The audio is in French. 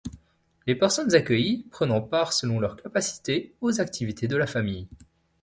Les personnes accueillies prenant part selon leurs capacités aux activités de la famille.